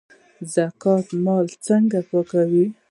زکات مال څنګه پاکوي؟